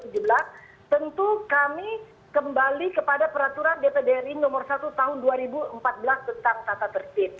dan dua ribu tujuh belas tentu kami kembali kepada peraturan dpd ri nomor satu tahun dua ribu empat belas tentang tata tertib